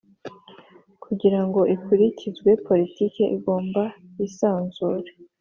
Kugira ngo ikurikizwe politiki igomba yisanzuye